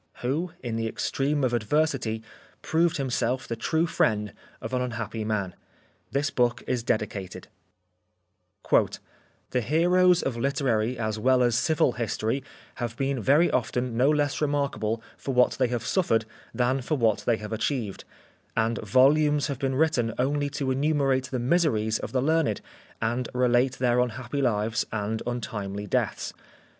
' WHO, IN THE EXTREME OF ADVERSITY, PROVED HIMSELF THE TRUE FRIEND OF AN UNHAPPY MAN THIS BOOK IS DEDICATED "The heroes of literary as well as civil history have been very often no less remarkable for what they have suffered than for what they have achieved ; and volumes have been written only to enumerate the miseries of the learned, and relate their un happy lives and untimely deaths.